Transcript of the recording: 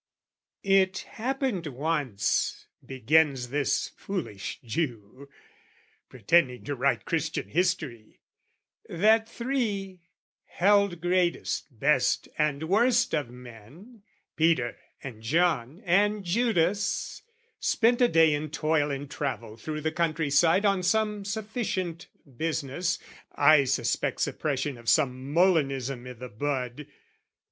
It happened once, begins this foolish Jew, Pretending to write Christian history, That three, held greatest, best and worst of men, Peter and John and Judas, spent a day In toil and travel through the country side On some sufficient business I suspect, Suppression of some Molinism i' the bud.